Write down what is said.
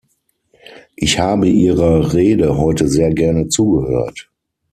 Ich habe Ihrer Rede heute sehr gerne zugehört.